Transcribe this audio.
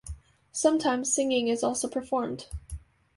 Sometimes, singing is also performed.